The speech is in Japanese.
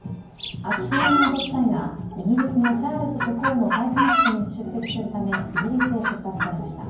秋篠宮ご夫妻がイギリスのチャールズ国王の戴冠式に出席するため、イギリスへ出発されました。